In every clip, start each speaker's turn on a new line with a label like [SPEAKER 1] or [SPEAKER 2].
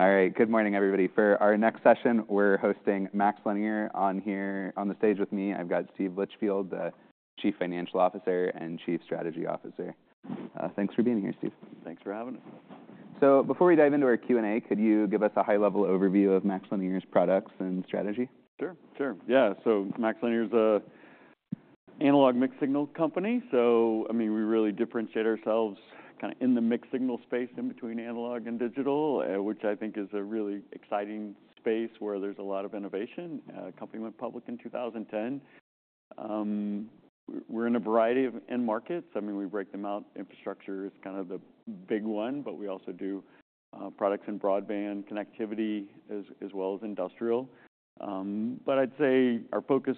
[SPEAKER 1] All right. Good morning, everybody. For our next session, we're hosting MaxLinear on here on the stage with me. I've got Steve Litchfield, the Chief Financial Officer and Chief Strategy Officer. Thanks for being here, Steve.
[SPEAKER 2] Thanks for having us. So before we dive into our Q&A, could you give us a high-level overview of MaxLinear's products and strategy? Sure. Sure. Yeah, so MaxLinear's an analog mixed-signal company. So, I mean, we really differentiate ourselves kind of in the mixed-signal space in between analog and digital, which I think is a really exciting space where there's a lot of innovation. Company went public in 2010. We're in a variety of end markets. I mean, we break them out. Infrastructure is kind of the big one, but we also do products in broadband connectivity as well as industrial. But I'd say our focus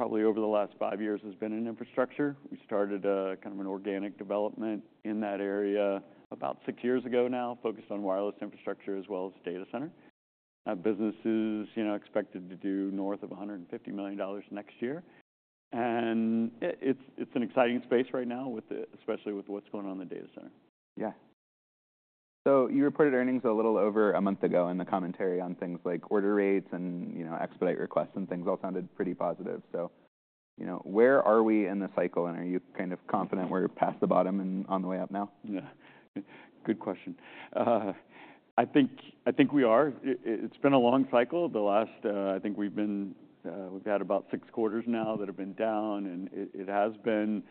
[SPEAKER 2] probably over the last five years has been in infrastructure. We started kind of an organic development in that area about six years ago now, focused on wireless infrastructure as well as data center. Business is expected to do north of $150 million next year, and it's an exciting space right now, especially with what's going on in the data center. Yeah. So you reported earnings a little over a month ago in the commentary on things like order rates and expedite requests and things all sounded pretty positive. So where are we in the cycle? And are you kind of confident we're past the bottom and on the way up now? Yeah. Good question. I think we are. It's been a long cycle. The last, I think we've had about six quarters now that have been down, and it has been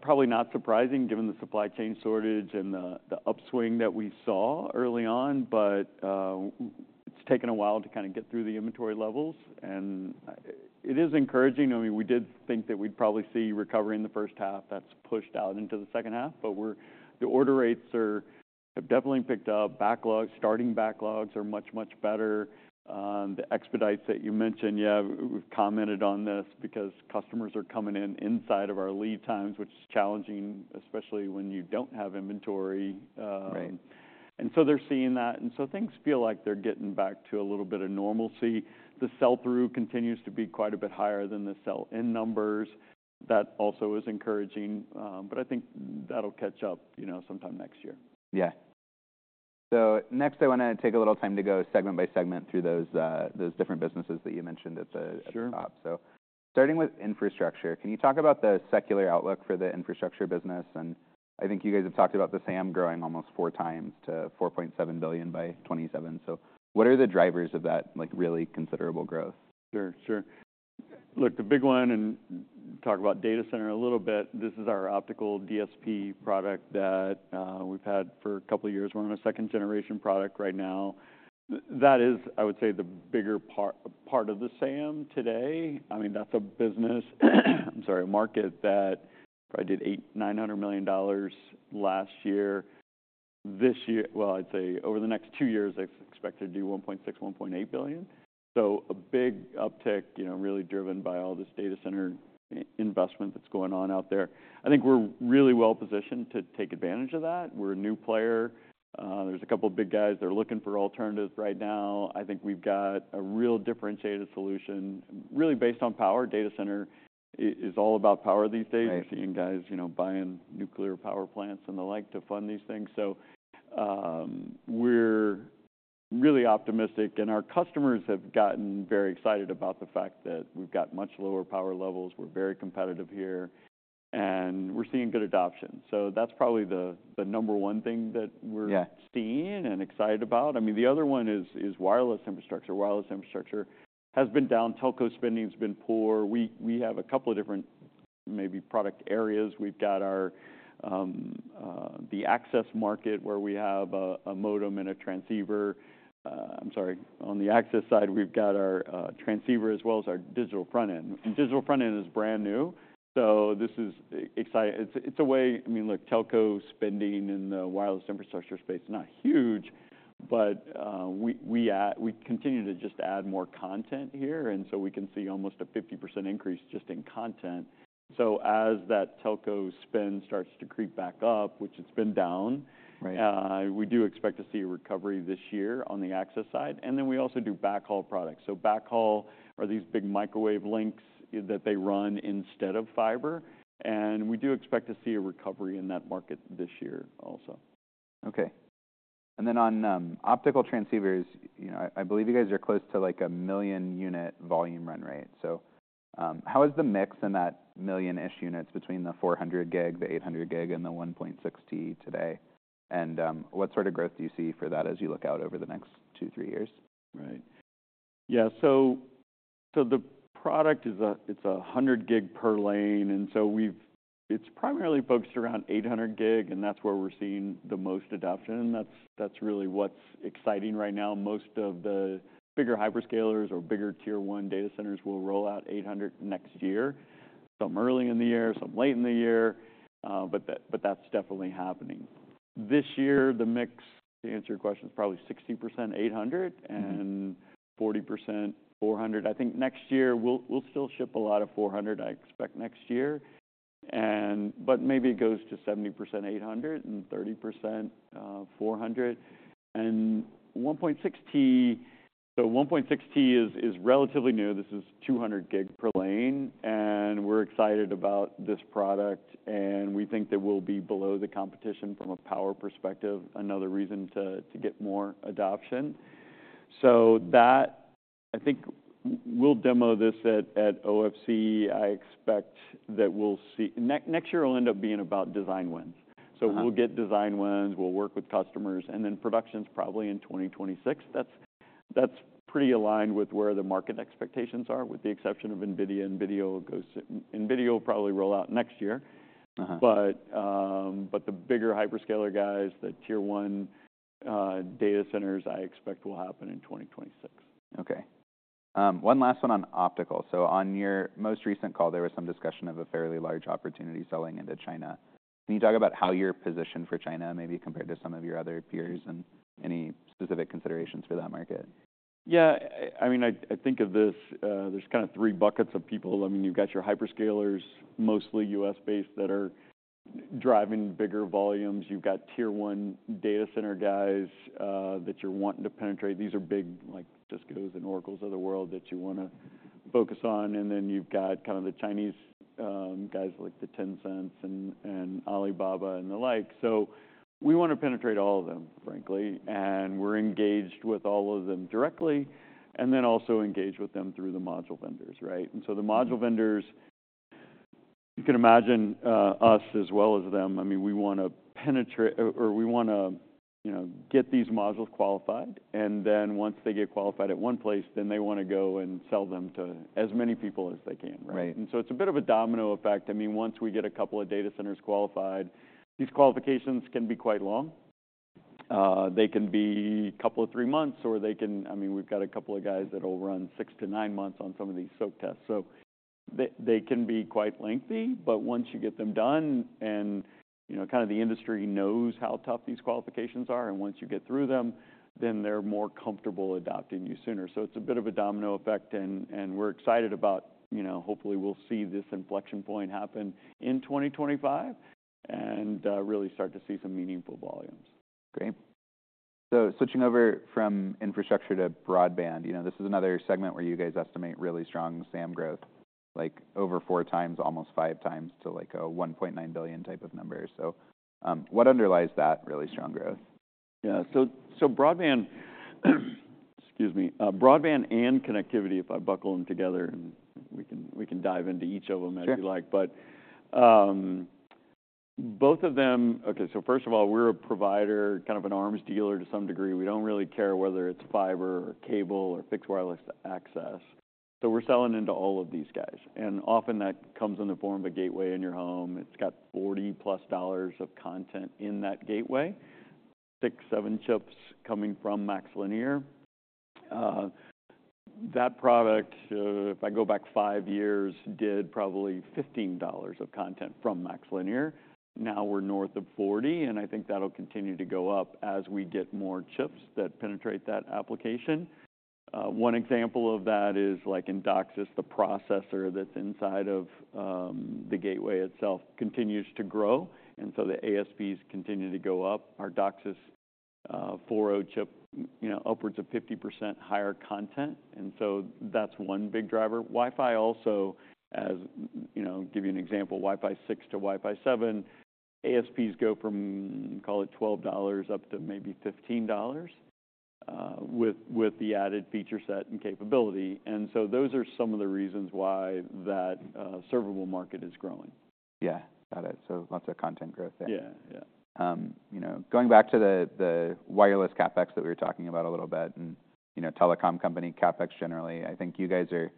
[SPEAKER 2] probably not surprising given the supply chain shortage and the upswing that we saw early on, but it's taken a while to kind of get through the inventory levels, and it is encouraging. I mean, we did think that we'd probably see recovery in the first half, that's pushed out into the second half, but the order rates have definitely picked up. Backlogs, starting backlogs are much, much better. The expedites that you mentioned, yeah, we've commented on this because customers are coming in inside of our lead times, which is challenging, especially when you don't have inventory, and so they're seeing that, and so things feel like they're getting back to a little bit of normalcy. The sell-through continues to be quite a bit higher than the sell-in numbers. That also is encouraging. But I think that'll catch up sometime next year. Yeah. So next, I want to take a little time to go segment by segment through those different businesses that you mentioned at the top. So starting with infrastructure, can you talk about the secular outlook for the infrastructure business? And I think you guys have talked about the SAM growing almost four times to $4.7 billion by 2027. So what are the drivers of that really considerable growth? Sure. Sure. Look, the big one, and talk about data center a little bit. This is our optical DSP product that we've had for a couple of years. We're on a second-generation product right now. That is, I would say, the bigger part of the SAM today. I mean, that's a business. I'm sorry, a market that probably did $800 million-$900 million last year. This year, well, I'd say over the next two years, they expect to do $1.6 billion-$1.8 billion. So a big uptick really driven by all this data center investment that's going on out there. I think we're really well-positioned to take advantage of that. We're a new player. There's a couple of big guys that are looking for alternatives right now. I think we've got a real differentiated solution really based on power. Data center is all about power these days. We're seeing guys buying nuclear power plants and the like to fund these things, so we're really optimistic, and our customers have gotten very excited about the fact that we've got much lower power levels. We're very competitive here, and we're seeing good adoption, so that's probably the number one thing that we're seeing and excited about. I mean, the other one is wireless infrastructure. Wireless infrastructure has been down. Telco spending has been poor. We have a couple of different maybe product areas. We've got the access market where we have a modem and a transceiver. I'm sorry. On the access side, we've got our transceiver as well as our digital front end, and digital front end is brand new, so this is exciting. I mean, look, telco spending in the wireless infrastructure space is not huge, but we continue to just add more content here. And so we can see almost a 50% increase just in content. So as that telco spend starts to creep back up, which it's been down, we do expect to see a recovery this year on the access side. And then we also do backhaul products. So backhaul are these big microwave links that they run instead of fiber. And we do expect to see a recovery in that market this year also. Okay. And then on optical transceivers, I believe you guys are close to a million-unit volume run, right? So how is the mix in that million-ish units between the 400 GB, the 800 GB, and the 1.6 T today? And what sort of growth do you see for that as you look out over the next two, three years? Right. Yeah. So the product, it's 100 GB per lane. And so it's primarily focused around 800 GB. And that's where we're seeing the most adoption. That's really what's exciting right now. Most of the bigger hyperscalers or bigger Tier 1 data centers will roll out 800 next year, some early in the year, some late in the year. But that's definitely happening. This year, the mix, to answer your question, is probably 60% 800 and 40% 400. I think next year, we'll still ship a lot of 400, I expect next year. But maybe it goes to 70% 800 and 30% 400. And 1.6 T, so 1.6 T is relatively new. This is 200 GB per lane. And we're excited about this product. And we think that we'll be below the competition from a power perspective, another reason to get more adoption. So that, I think we'll demo this at OFC. I expect that we'll see next year will end up being about design wins. So we'll get design wins. We'll work with customers. And then production's probably in 2026. That's pretty aligned with where the market expectations are, with the exception of NVIDIA. NVIDIA will probably roll out next year. But the bigger hyperscaler guys, the Tier 1 data centers, I expect will happen in 2026. Okay. One last one on optical. So on your most recent call, there was some discussion of a fairly large opportunity selling into China. Can you talk about how you're positioned for China maybe compared to some of your other peers and any specific considerations for that market? Yeah. I mean, I think of this, there's kind of three buckets of people. I mean, you've got your hyperscalers, mostly U.S.-based, that are driving bigger volumes. You've got Tier 1 data center guys that you're wanting to penetrate. These are big like Ciscos and Oracles of the world that you want to focus on. And then you've got kind of the Chinese guys like the Tencents and Alibaba and the like. So we want to penetrate all of them, frankly. And we're engaged with all of them directly and then also engaged with them through the module vendors, right? And so the module vendors, you can imagine us as well as them. I mean, we want to penetrate or we want to get these modules qualified. Once they get qualified at one place, then they want to go and sell them to as many people as they can, right? It's a bit of a domino effect. I mean, once we get a couple of data centers qualified, these qualifications can be quite long. They can be a couple of three months or they can, I mean, we've got a couple of guys that will run 6-9 months on some of these soak tests. They can be quite lengthy, but once you get them done and kind of the industry knows how tough these qualifications are, and once you get through them, then they're more comfortable adopting you sooner. It's a bit of a domino effect. We're excited about, hopefully, we'll see this inflection point happen in 2025 and really start to see some meaningful volumes. Great. So switching over from infrastructure to broadband, this is another segment where you guys estimate really strong SAM growth, like over four times, almost five times to like a $1.9 billion type of number. So what underlies that really strong growth? Yeah. So broadband, excuse me, broadband and connectivity, if I bundle them together, and we can dive into each of them as you like. But both of them, okay, so first of all, we're a provider, kind of an arms dealer to some degree. We don't really care whether it's fiber or cable or fixed wireless access. So we're selling into all of these guys. And often that comes in the form of a gateway in your home. It's got $40+ of content in that gateway, six, seven chips coming from MaxLinear. That product, if I go back five years, did probably $15 of content from MaxLinear. Now we're north of $40. And I think that'll continue to go up as we get more chips that penetrate that application. One example of that is like in DOCSIS, the processor that's inside of the gateway itself continues to grow. The ASPs continue to go up. Our DOCSIS 4.0 chip, upwards of 50% higher content. That's one big driver. Wi-Fi also, as I'll give you an example, Wi-Fi 6 to Wi-Fi 7, ASPs go from, call it $12 up to maybe $15 with the added feature set and capability. Those are some of the reasons why that serviceable market is growing. Yeah. Got it, so lots of content growth there. Yeah. Yeah. Going back to the wireless CapEx that we were talking about a little bit and telecom company CapEx generally, I think you guys are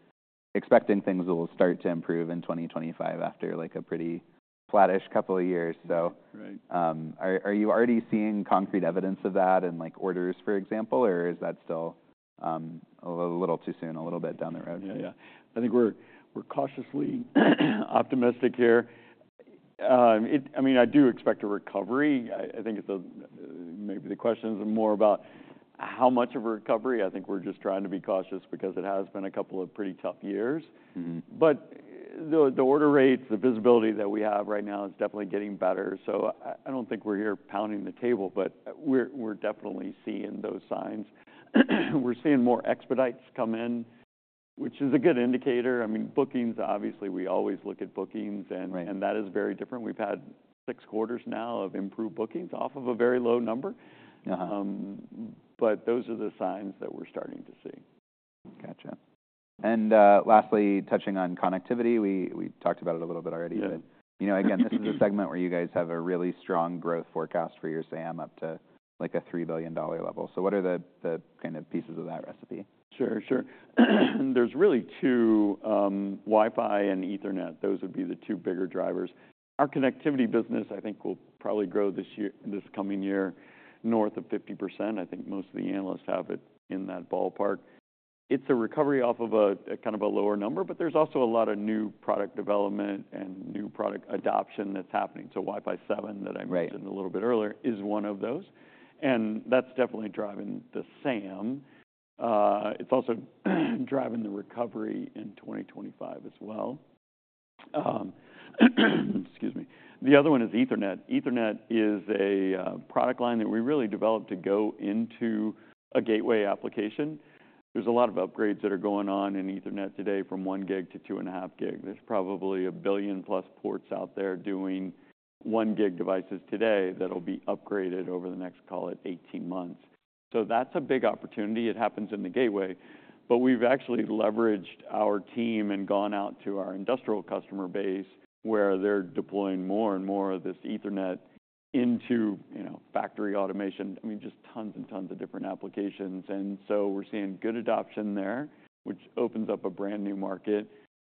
[SPEAKER 2] expecting things will start to improve in 2025 after like a pretty flattish couple of years, so are you already seeing concrete evidence of that in orders, for example, or is that still a little too soon, a little bit down the road? Yeah. Yeah. I think we're cautiously optimistic here. I mean, I do expect a recovery. I think maybe the question is more about how much of a recovery. I think we're just trying to be cautious because it has been a couple of pretty tough years. But the order rates, the visibility that we have right now is definitely getting better. So I don't think we're here pounding the table. But we're definitely seeing those signs. We're seeing more expedites come in, which is a good indicator. I mean, bookings, obviously, we always look at bookings. And that is very different. We've had six quarters now of improved bookings off of a very low number. But those are the signs that we're starting to see. Gotcha. And lastly, touching on connectivity, we talked about it a little bit already. But again, this is a segment where you guys have a really strong growth forecast for your SAM up to like a $3 billion level. So what are the kind of pieces of that recipe? Sure. Sure. There's really two Wi-Fi and Ethernet. Those would be the two bigger drivers. Our connectivity business, I think, will probably grow this coming year north of 50%. I think most of the analysts have it in that ballpark. It's a recovery off of kind of a lower number. But there's also a lot of new product development and new product adoption that's happening. So Wi-Fi 7 that I mentioned a little bit earlier is one of those. And that's definitely driving the SAM. It's also driving the recovery in 2025 as well. Excuse me. The other one is Ethernet. Ethernet is a product line that we really developed to go into a gateway application. There's a lot of upgrades that are going on in Ethernet today from 1 GB to 2.5 GB. There's probably a billion-plus ports out there doing 1 GB devices today that'll be upgraded over the next, call it, 18 months, so that's a big opportunity. It happens in the gateway, but we've actually leveraged our team and gone out to our industrial customer base where they're deploying more and more of this Ethernet into factory automation. I mean, just tons and tons of different applications, and so we're seeing good adoption there, which opens up a brand new market.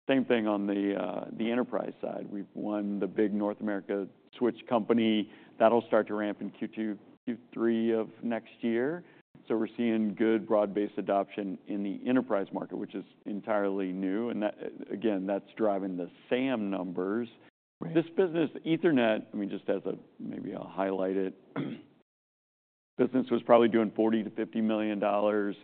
[SPEAKER 2] Same thing on the enterprise side. We've won the big North America switch company. That'll start to ramp in Q2, Q3 of next year, so we're seeing good broad-based adoption in the enterprise market, which is entirely new, and again, that's driving the SAM numbers. This business, Ethernet, I mean, just as a maybe I'll highlight it, business was probably doing $40 million-$50 million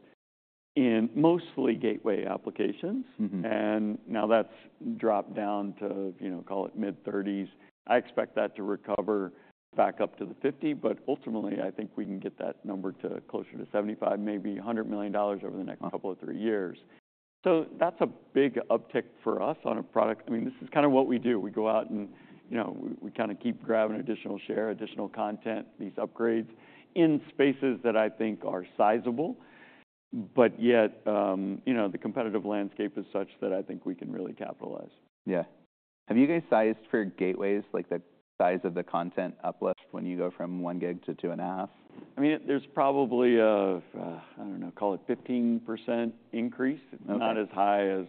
[SPEAKER 2] in mostly gateway applications. Now that's dropped down to, call it, mid-30s. I expect that to recover back up to the 50. But ultimately, I think we can get that number to closer to $75 million, maybe $100 million over the next couple of three years. So that's a big uptick for us on a product. I mean, this is kind of what we do. We go out and we kind of keep grabbing additional share, additional content, these upgrades in spaces that I think are sizable. But yet, the competitive landscape is such that I think we can really capitalize. Yeah. Have you guys sized for gateways like the size of the content uplift when you go from 1 GB to 2.5 GB? I mean, there's probably, I don't know, call it 15% increase. Not as high as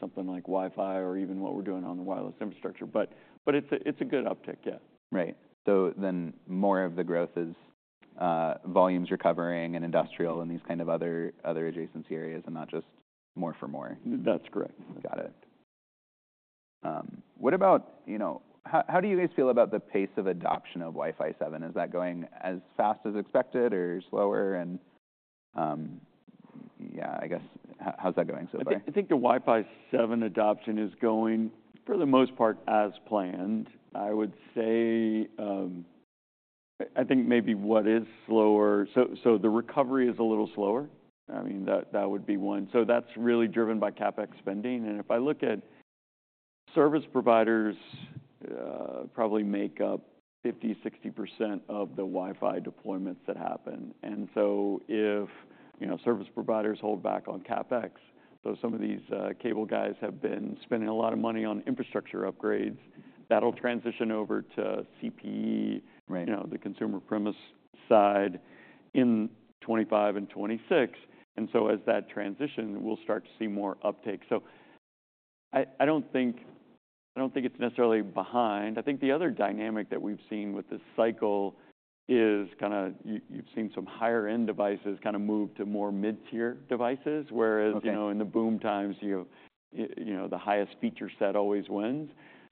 [SPEAKER 2] something like Wi-Fi or even what we're doing on the wireless infrastructure. But it's a good uptick, yeah. Right. So then, more of the growth is volumes recovering and industrial and these kind of other adjacency areas and not just more for more. That's correct. Got it. What about, how do you guys feel about the pace of adoption of Wi-Fi 7? Is that going as fast as expected or slower? And yeah, I guess, how's that going so far? I think the Wi-Fi 7 adoption is going, for the most part, as planned. I would say, I think maybe what is slower, so the recovery is a little slower. I mean, that would be one, so that's really driven by CapEx spending, and if I look at service providers, probably make up 50%-60% of the Wi-Fi deployments that happen, and so if service providers hold back on CapEx, though some of these cable guys have been spending a lot of money on infrastructure upgrades, that'll transition over to CPE, the consumer premises side in 2025 and 2026, and so as that transition, we'll start to see more uptake, so I don't think it's necessarily behind. I think the other dynamic that we've seen with this cycle is kind of you've seen some higher-end devices kind of move to more mid-tier devices, whereas in the boom times, the highest feature set always wins.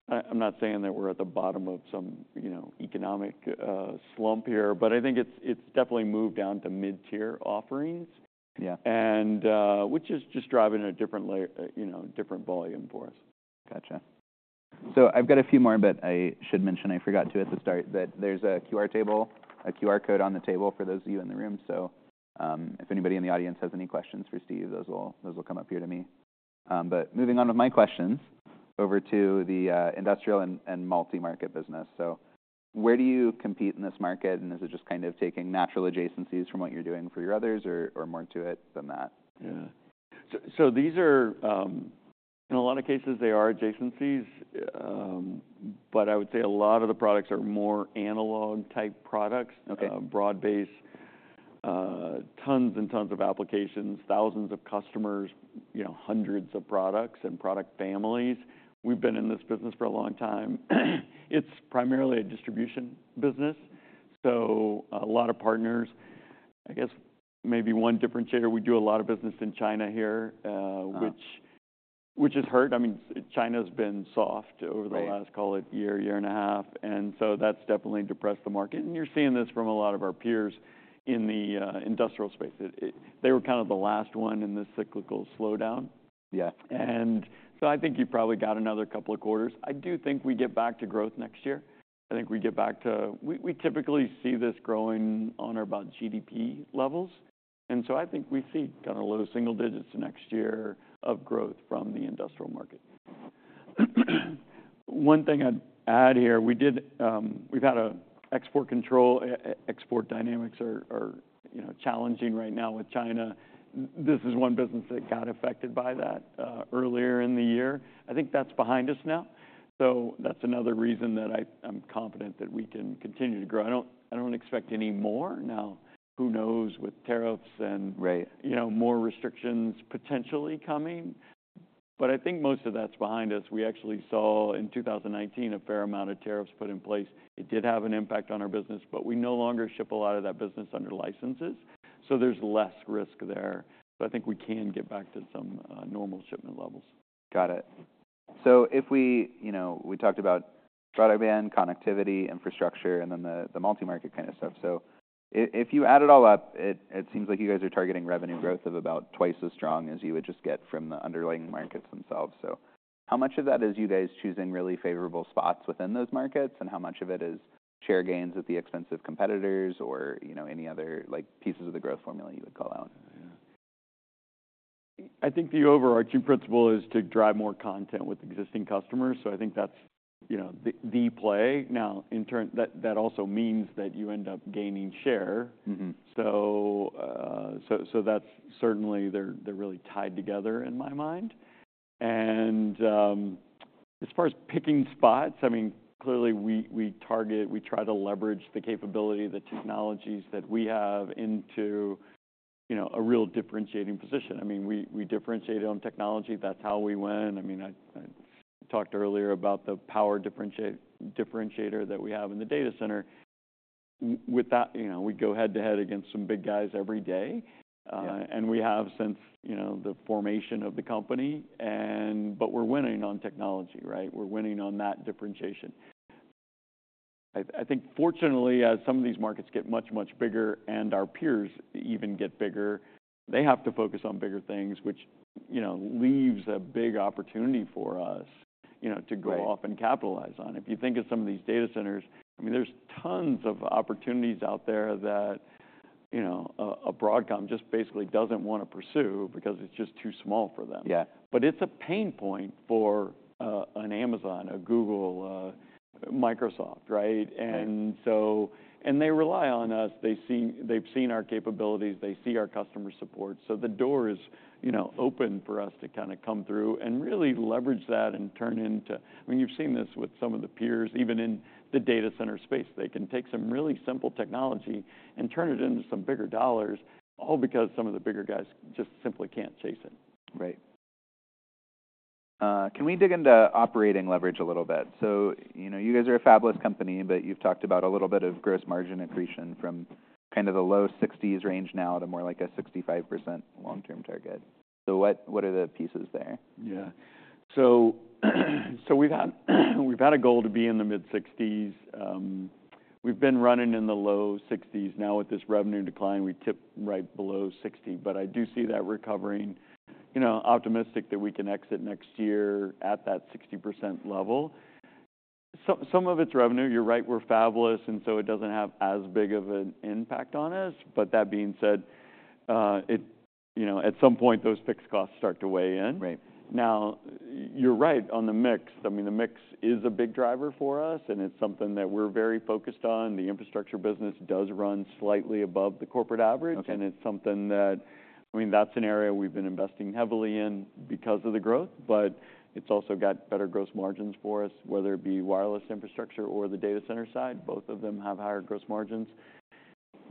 [SPEAKER 2] I'm not saying that we're at the bottom of some economic slump here, but I think it's definitely moved down to mid-tier offerings, which is just driving a different volume for us. Gotcha. So I've got a few more, but I should mention I forgot to at the start that there's a QR code on the table for those of you in the room. So if anybody in the audience has any questions for Steve, those will come up here to me. But moving on with my questions over to the industrial and multi-market business. So where do you compete in this market? And is it just kind of taking natural adjacencies from what you're doing for your others or more to it than that? Yeah. So these are, in a lot of cases, they are adjacencies. But I would say a lot of the products are more analog-type products, broad-based, tons and tons of applications, thousands of customers, hundreds of products and product families. We've been in this business for a long time. It's primarily a distribution business. So a lot of partners. I guess maybe one differentiator, we do a lot of business in China here, which has hurt. I mean, China's been soft over the last, call it, year, year and a half. And so that's definitely depressed the market. And you're seeing this from a lot of our peers in the industrial space. They were kind of the last one in this cyclical slowdown. And so I think you probably got another couple of quarters. I do think we get back to growth next year. I think we get back to. We typically see this growing at about GDP levels. And so I think we see kind of low single digits next year of growth from the industrial market. One thing I'd add here, we've had export controls. Export dynamics are challenging right now with China. This is one business that got affected by that earlier in the year. I think that's behind us now. So that's another reason that I'm confident that we can continue to grow. I don't expect any more. Now, who knows with tariffs and more restrictions potentially coming. But I think most of that's behind us. We actually saw in 2019 a fair amount of tariffs put in place. It did have an impact on our business. But we no longer ship a lot of that business under licenses. So there's less risk there. I think we can get back to some normal shipment levels. Got it. So we talked about broadband, connectivity, infrastructure, and then the multi-market kind of stuff. So if you add it all up, it seems like you guys are targeting revenue growth of about twice as strong as you would just get from the underlying markets themselves. So how much of that is you guys choosing really favorable spots within those markets? And how much of it is share gains at the expense of competitors or any other pieces of the growth formula you would call out? I think the overarching principle is to drive more content with existing customers. So I think that's the play. Now, in turn, that also means that you end up gaining share. So that's certainly, they're really tied together in my mind. And as far as picking spots, I mean, clearly, we target, we try to leverage the capability, the technologies that we have into a real differentiating position. I mean, we differentiate on technology. That's how we win. I mean, I talked earlier about the power differentiator that we have in the data center. With that, we go head to head against some big guys every day. And we have since the formation of the company. But we're winning on technology, right? We're winning on that differentiation. I think, fortunately, as some of these markets get much, much bigger and our peers even get bigger, they have to focus on bigger things, which leaves a big opportunity for us to go off and capitalize on. If you think of some of these data centers, I mean, there's tons of opportunities out there that a Broadcom just basically doesn't want to pursue because it's just too small for them. But it's a pain point for an Amazon, a Google, a Microsoft, right? And they rely on us. They've seen our capabilities. They see our customer support. So the door is open for us to kind of come through and really leverage that and turn into. I mean, you've seen this with some of the peers, even in the data center space. They can take some really simple technology and turn it into some bigger dollars, all because some of the bigger guys just simply can't chase it. Right. Can we dig into operating leverage a little bit? So you guys are a fabless company, but you've talked about a little bit of gross margin accretion from kind of the low 60s range now to more like a 65% long-term target. So what are the pieces there? Yeah. So we've had a goal to be in the mid-60s. We've been running in the low 60s. Now, with this revenue decline, we tip right below 60. But I do see that recovering. Optimistic that we can exit next year at that 60% level. Some of its revenue, you're right, we're fabless. And so it doesn't have as big of an impact on us. But that being said, at some point, those fixed costs start to weigh in. Now, you're right on the mix. I mean, the mix is a big driver for us. And it's something that we're very focused on. The infrastructure business does run slightly above the corporate average. And it's something that, I mean, that's an area we've been investing heavily in because of the growth. But it's also got better gross margins for us, whether it be wireless infrastructure or the data center side. Both of them have higher gross margins.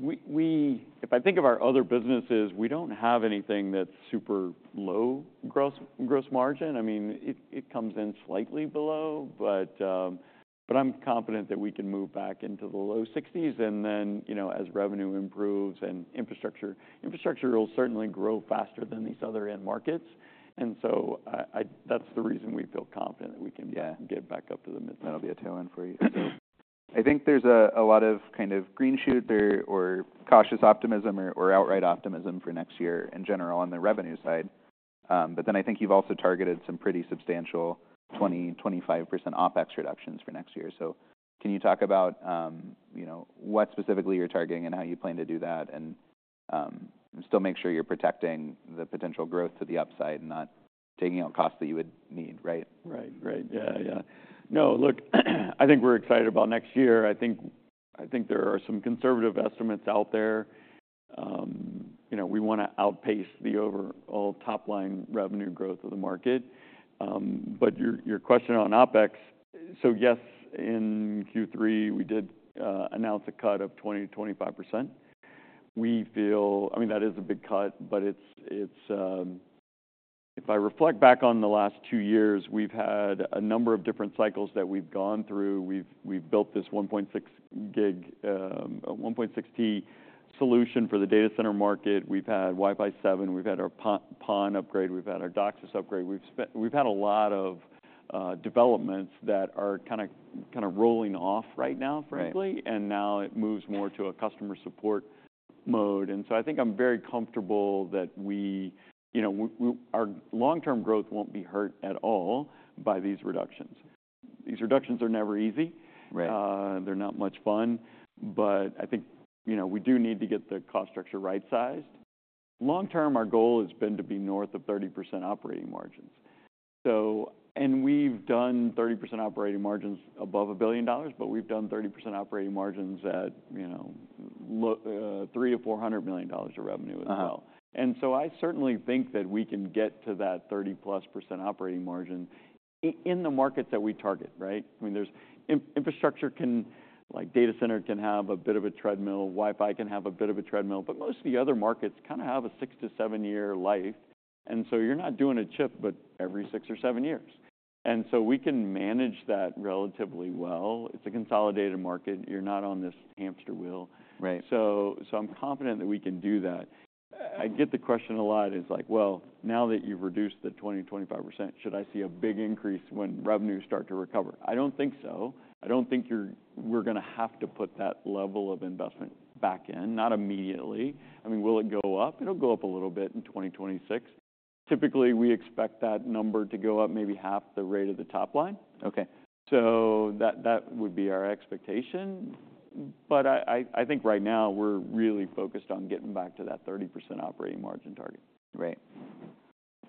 [SPEAKER 2] If I think of our other businesses, we don't have anything that's super low gross margin. I mean, it comes in slightly below, but I'm confident that we can move back into the low 60s, and then as revenue improves and infrastructure, infrastructure will certainly grow faster than these other end markets, and so that's the reason we feel confident that we can get back up to the mid. That'll be a tailwind for you. I think there's a lot of kind of green shoot or cautious optimism or outright optimism for next year in general on the revenue side. But then I think you've also targeted some pretty substantial 20%-25% OpEx reductions for next year. So can you talk about what specifically you're targeting and how you plan to do that and still make sure you're protecting the potential growth to the upside and not taking out costs that you would need, right? Right, right. Yeah, yeah. No, look, I think we're excited about next year. I think there are some conservative estimates out there. We want to outpace the overall top-line revenue growth of the market, but your question on OpEx, so yes, in Q3, we did announce a cut of 20%-25%. I mean, that is a big cut. But if I reflect back on the last two years, we've had a number of different cycles that we've gone through. We've built this 1.6 GB, 1.6 T solution for the data center market. We've had Wi-Fi 7. We've had our PON upgrade. We've had our DOCSIS upgrade. We've had a lot of developments that are kind of rolling off right now, frankly, and now it moves more to a customer support mode, and so I think I'm very comfortable that our long-term growth won't be hurt at all by these reductions. These reductions are never easy. They're not much fun. But I think we do need to get the cost structure right-sized. Long-term, our goal has been to be north of 30% operating margins. And we've done 30% operating margins above $1 billion. But we've done 30% operating margins at $3 million-$400 million of revenue as well. And so I certainly think that we can get to that 30%+ operating margin in the markets that we target, right? I mean, infrastructure can, like data center, can have a bit of a treadmill. Wi-Fi can have a bit of a treadmill. But most of the other markets kind of have a six- to seven-year life. And so you're not doing a chip but every six or seven years. And so we can manage that relatively well. It's a consolidated market. You're not on this hamster wheel. So I'm confident that we can do that. I get the question a lot is like, well, now that you've reduced the 20%-25%, should I see a big increase when revenues start to recover? I don't think so. I don't think we're going to have to put that level of investment back in, not immediately. I mean, will it go up? It'll go up a little bit in 2026. Typically, we expect that number to go up maybe half the rate of the top line. So that would be our expectation. But I think right now, we're really focused on getting back to that 30% operating margin target. Right.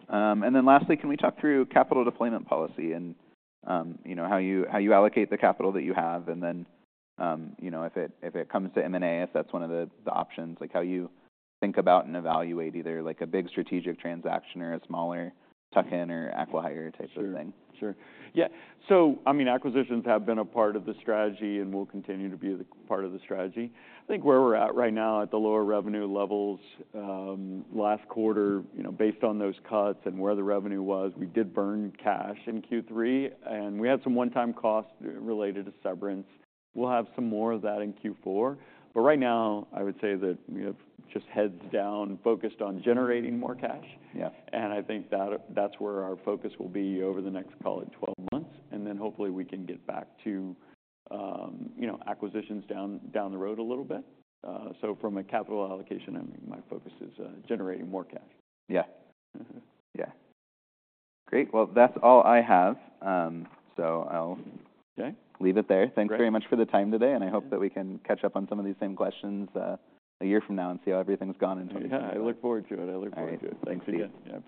[SPEAKER 2] And then lastly, can we talk through capital deployment policy and how you allocate the capital that you have? And then if it comes to M&A, if that's one of the options, how you think about and evaluate either a big strategic transaction or a smaller tuck-in or acqui-hire type of thing? Sure, sure. Yeah. So I mean, acquisitions have been a part of the strategy and will continue to be a part of the strategy. I think where we're at right now at the lower revenue levels, last quarter, based on those cuts and where the revenue was, we did burn cash in Q3. And we had some one-time costs related to severance. We'll have some more of that in Q4. But right now, I would say that we have just heads down, focused on generating more cash. And I think that's where our focus will be over the next, call it, 12 months. And then hopefully, we can get back to acquisitions down the road a little bit. So from a capital allocation, I mean, my focus is generating more cash. Yeah, yeah. Great. Well, that's all I have so I'll leave it there. Thanks very much for the time today and I hope that we can catch up on some of these same questions a year from now and see how everything's gone in 2024. Yeah. I look forward to it. I look forward to it. Thanks, Steve. All right.